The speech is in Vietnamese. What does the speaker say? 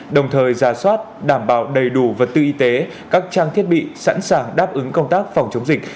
đồng thời ra soát đảm bảo đầy đủ vật tư y tế các trang thiết bị sẵn sàng đáp ứng công tác phòng chống dịch